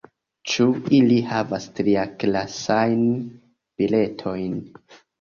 Ĉu ili havas triaklasajn biletojn?